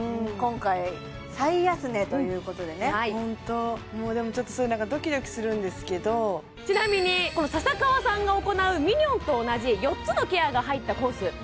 今回最安値ということでホントもうでもすごいドキドキするんですけどちなみにこの笹川さんが行うミニョンと同じ４つのケアが入ったコース